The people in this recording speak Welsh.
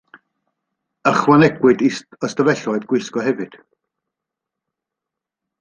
Ychwanegwyd ystafelloedd gwisgo hefyd.